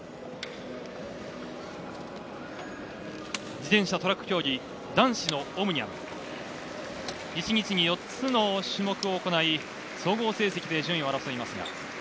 自転車トラック競技男子のオムニアム、１日に４つの種目を行い総合成績で順位を争います。